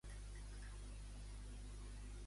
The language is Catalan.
A quines regions de l'Índia té lloc el Durga-puja?